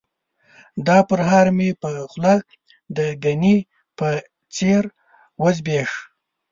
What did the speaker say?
دا پرهار مې په خوله د ګني په څېر وزبیښ.